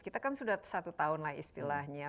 kita kan sudah satu tahun lah istilahnya